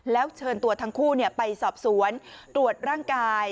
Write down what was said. แล้วเชิญตัวทั้งคู่ไปสอบสวนตรวจร่างกาย